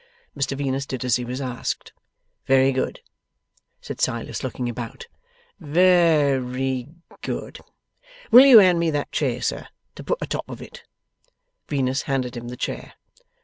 Mr Venus did as he was asked. 'Very good,' said Silas, looking about: 've ry good. Will you hand me that chair, sir, to put a top of it?' Venus handed him the chair.